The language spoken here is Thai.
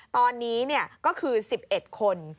ตอนนี้ก็คือ๑๑คน